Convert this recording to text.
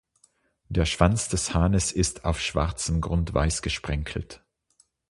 Der Schwanz des Hahnes ist auf schwarzem Grund weiß gesprenkelt.